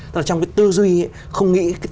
trong cái tư duy không nghĩ